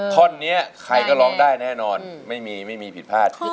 เธอนี้ใครก็เล่าได้แน่นอนไม่มีผิดพลาด